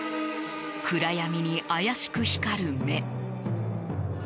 暗闇に怪しく光る目。